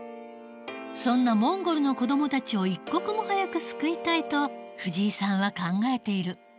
そんなモンゴルの子どもたちを一刻も早く救いたいと藤井さんは考えている。